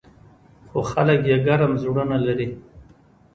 خو خلک یې ګرم زړونه لري.